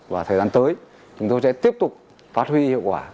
và thời gian tới chúng tôi sẽ tiếp tục phát huy hiệu quả